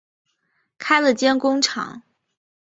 开了间工厂